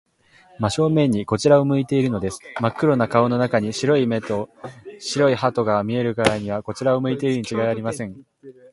真正面にこちらを向いているのです。まっ黒な顔の中に、白い目と白い歯とが見えるからには、こちらを向いているのにちがいありません。